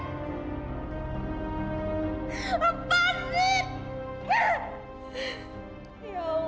kenapa ini semua terjadi sama opi